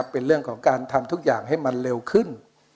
เป็นเรื่องของการทำทุกอย่างให้มันเร็วขึ้น